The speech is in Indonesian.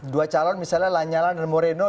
dua calon misalnya lanyala dan moreno